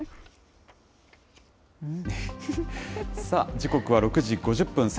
さあ、時刻は６時５０分。